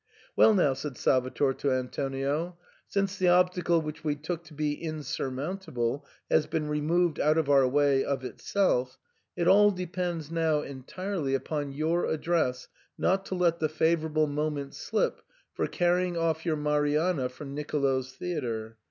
" Well now," said Salvator to Antonio, " since the obstacle which we took to be insurmountable has been removed out of our way of itself, it all depends now entirely upon your address not to let the favourable moment slip for carrying off your Marianna from Nicolo's theatre.